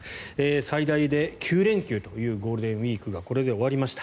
最大９連休というゴールデンウィークがこれで終わりました。